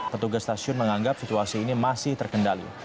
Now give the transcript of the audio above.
petugas stasiun menganggap situasi ini masih terkendali